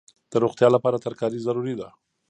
د روغتیا لپاره ترکاري ضروري ده.